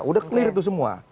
udah clear itu semua